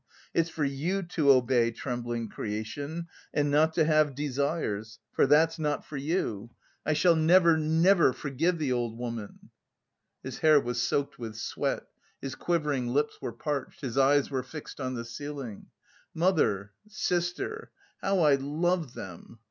It's for you to obey, trembling creation, and not to have desires, for that's not for you!... I shall never, never forgive the old woman!" His hair was soaked with sweat, his quivering lips were parched, his eyes were fixed on the ceiling. "Mother, sister how I loved them!